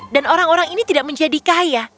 dan orang orang ini tidak menjadi kaya